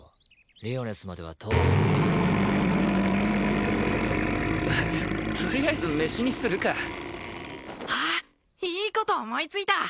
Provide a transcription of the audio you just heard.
リオネスまでは遠いとりあえず飯にするかあっいいこと思いついた！